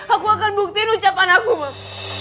aku akan buktiin ucapan aku mas